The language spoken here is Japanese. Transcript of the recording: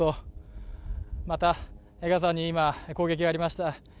また、ガザに今、攻撃がありました。